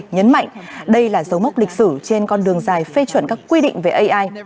nhấn mạnh đây là dấu mốc lịch sử trên con đường dài phê chuẩn các quy định về ai